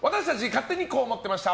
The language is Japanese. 勝手にこう思ってました！